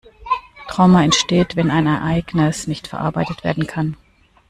Trauma entsteht, wenn ein Ereignis nicht verarbeitet werden kann.